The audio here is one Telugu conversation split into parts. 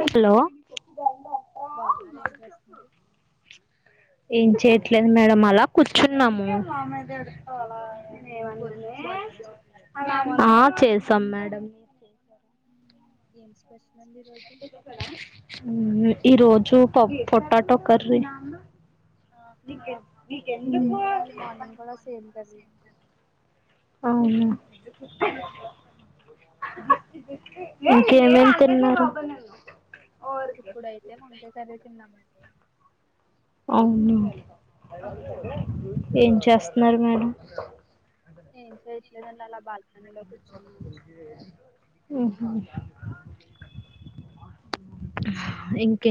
హలో బాగున్నారు ఏం చేస్తున్నారు ఏం చేయట్లేదు మేడం అలా కూర్చున్నాము ఉమ్, ఏ భోజనం చేసారండి ఆ చేసా మే డం ఎమ్ ఇక్కడ హుమ్ ఈ రోజు ప పొటాటకర్రీ ఆహా సేమ్ మది మోర్నింగ్ కూడా సే కర్రీ అవును ఇంకేమేమ్ తిన్నారు ఇప్పుడైతే వంకాయ కర్రీ తిన్నామండి అవును ఆ, ఏంచేస్త మరి మేము ఏం చేయట్లేదండి అలా బాల్క నీలో కూర్చున్నాను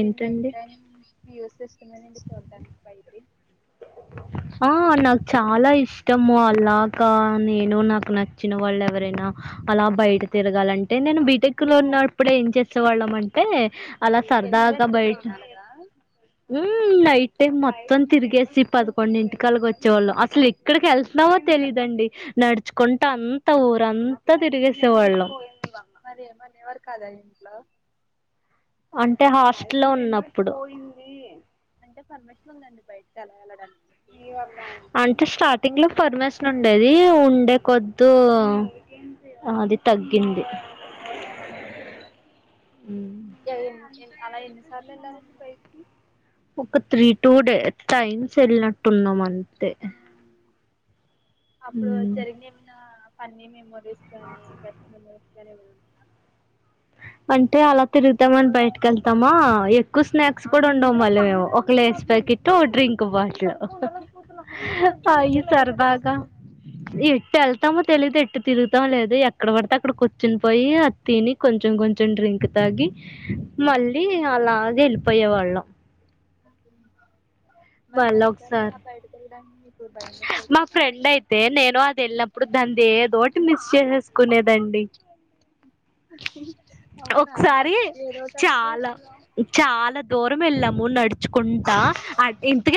మేం నైట్ టైమ్ యూస్ ఉండనీయండి పోతే ఆ నాకు చాలా ఇష్టము అలాకా నేను నాకు నచ్చిన వాళ్ళు ఎవరైనా అలా బయట తిరగాలంటే నేను బీటెక్ లో ఉన్నప్పుడు ఏం చేసే వాళ్ళమంటే అలా సరదాగా వెళ్ళారండి బయట్ ఎప్పుడైనా అలాగా ఉమ్ నైట్ టే మొత్తం తిరిగేసి పదకొండిటికలాగ వచ్చేవోళ్ళం అసలు ఇక్కడికి ఎళ్తున్నామో తెలీదండి నడుచుకుంటా అంతా ఊరంతా తిరిగేసేవాళ్ళం మరి ఏం అనేవరు కాదా ఇన్ అంటే హాస్టల్ లో ఉన్నప్పుడు అంటే పర్మిషన్ ఉందండి బయటి కలా వెళ్ళడానికి మీకు అంటే స్టార్టింగ్ లో ఫర్మేస్ ట్లుండేది ఉండే కొద్దు అది తగ్గింది. ఆ ఏ యిన్ అలా [inaudible] కార్లెల్లారండి బయటికి ఒక త్రీ టూ డే టైమ్స్ వెళ్ళినట్టున్నాం అన్ తే ఆ, అప్పుడు జరిగిన ఏమనా అన్ని మేము [inaudible] అంటే అలా తిరుగుతామని బయటికెళ్తామా ఎక్కువ స్నాక్స్ కూడా ఉండవు మళ్ళ మేము ఒక లేస్ ప్యాకెట్టు ఓ డ్రిన్ కు బాట్ల ఆ ఈ సరదాగా సర్బెత్తేస్తారండి ఇట్టెల్ తామో తెలిదు ఎట్టు తిరుగుతాం లేదు ఎక్కడ పడితే అక్కడ కూర్చుని పోయి అత్తి కొంచెం కొంచెం డ్రింక్ తాగి మళ్ళీ అలా వెలుప్ పోయ్యే వాళ్ళం మరి మళ్ళీ నైట్ టైం ఒకసారి అలా బయటికెళ్ మా ఫ్రెండ్ అయితే నేను అది వెళ్ళినప్పుడు దాని ఏదోటి మిస్ చేసేస్ కునేదండి అవునా ఒకసారి ఏదోటంటే చాలా చాలా దూరం వెళ్ళాము నడుచుకుంటా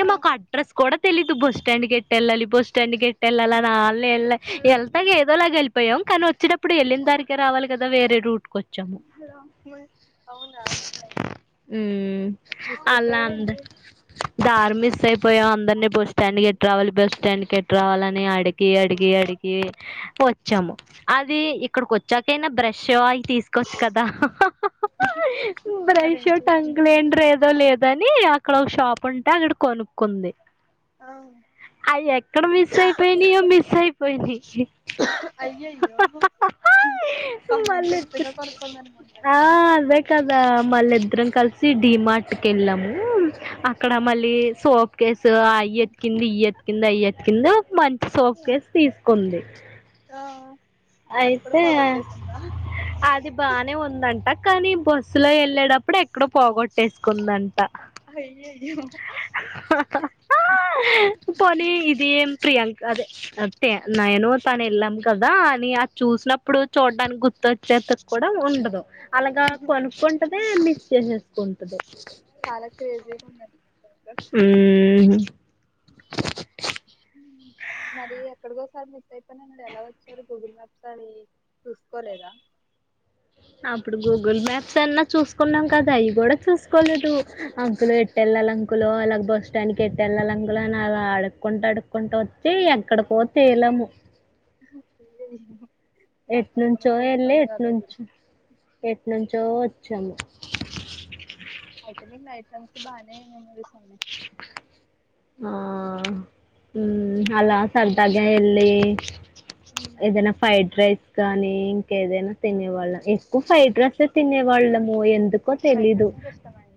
ఆ మాకు అడ్రస్ కూడా తెలిదు బస్ బస్టాండ్ కి ఎట్ ఏళ్ళాలి బస్టాండ్ కి ఎట్లా ఏళ్ళాలి ఆళ్ నీ వీళ్ళని వెళ్ళ వెళ్తా ఏదోలాగా వెళ్ళిపోయాం కానీ వచ్చేటప్పుడు ఎళ్ళిన దారికే రావాలి కదా వేరే రూట్ కొచ్చాము మ- అవునా ఊ ఊ మిస్ ఆళ్ళందూ అయిపోయారండి దారి మిస్ అయిపోయాం అందరినీ బస్ స్టాండ్ కి ఎట్ ట్రావాలి బస్టాండ్ కి ఎట్ రావాలని అడిగి అడిగి అడిగి వచ్చాము అది ఇక్కడికి వచ్చాకైనా ఫ్రెష్షాయ్ తీసుకోవచ్చు కదా మరి ఏం బ్రెషో చేస్తుందండి టంక్లీనరో ఏదో లేదని అక్కడ ఒక షాప్ ఉంటే అది కూడా కొను కొంది ఆ అయి ఎక్కడ మిస్ అయిపోయినాయో మిస్ అయి పోయింది అయ్యయ్యో పాపం ఎంత ఇష్టంగా కొనుక్కుంది ఆ అనుకుంటండి అదే కదా మళ్ళిద్దరం కలసి డి మార్ట్ టికెళ్ళాము ఆ అక్కడ మళ్ళీ సోఫ్ కేేస్ ఆ ఎతు కింది ఇయ్యత్ కింద అయ్యత్ కింద ఒక మంచి సోకేస్ తీసుకుంది ఆ, అది కూడా అయితే పోగొట్టేసిందా అది బానే ఉందంట కానీ బస్సు లో వెళ్ళేటప్పుడు ఎక్కడో పోగొట్టేసుకో కుందంట అయ్యయ్యో పోనీ ఇది ఏం ప్రియాంక అదే అంతే నేను తను ఎల్లం కదా ని అది చూసినప్పుడు చూడ్డానికి గుర్తొచెత్తకు కూడా ఉండదు అలాగా కొనుక్కుంటద మిస్ చేసేస్ కొంటది చాలా క్రేజీగా ఉన్నది ఉమ్ [unintelligible] మరి ఎక్కడికోసారి మిస్ అయిపోయిన అని ఎలా వచ్చారు గూగుల్ మ్యాప్స్ అని చూసుకోలేదా అప్పుడు గూగుల్ మ్యాప్స్ అన్నా చూసుకున్నాం కదా అవి కూడా చూసుకోలేదు అంకులో ఎటెల్లాల్ అంకులో అలాగ బస్ మొత్తానికి ఎట్ట వెళ్ళాలి అంకులు అని అలా అడుక్కుంటూ అడుక్కుంటూ వచ్చి ఎక్కడి కో తేలము [inaudible] బాగా ఎట్ నుంచో వెళ్ళె కష్టపడిపోయినట్టున్నారు ఎట్ ఆ రోజు నుంచి ఎట్ నుంచో వొ చ్చము ఐటమి ఐటమ్స్ బానే మెమర్సీ అవునే ఆ హ్ మ్మ్ అలా సర్దగా ఎల్లి ఎ ఏదైనా ఫ్రైడ్ రైస్ కానీ ఏదైనా తినే వాళ్ళ ఫైడ్ రైస్ ఏ తినేవాళ్ళం ఎందుకో మీకు ఫ్రైడ్ తెలీదు రైస్ అంటే ఇష్టమా అండి